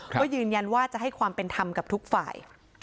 ก็ยืนยันว่าจะให้ความเป็นธรรมกับทุกฝ่าย